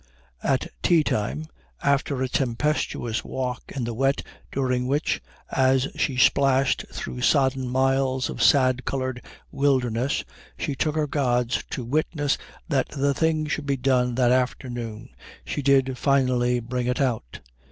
At tea time, after a tempestuous walk in the wet during which, as she splashed through sodden miles of sad coloured wilderness, she took her gods to witness that the thing should be done that afternoon, she did finally bring it out.